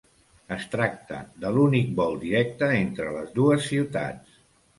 Es tracta de l'únic vol directe entre les dues ciutats.